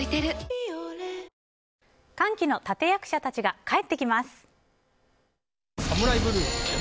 「ビオレ」歓喜の立役者たちが帰ってきます。